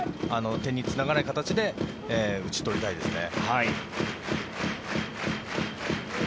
点につながらない形で打ち取りたいですね。